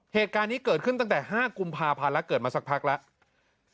เหตุการณ์นี้เกิดขึ้นตั้งแต่๕กุมภาพันธ์แล้วเกิดมาสักพักแล้ว